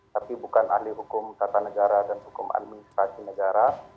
tapi bukan ahli hukum tata negara dan hukum administrasi negara